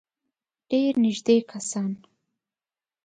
ډېر نېږدې کسان.